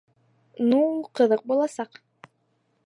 Ну, ҡыҙыҡ буласаҡ!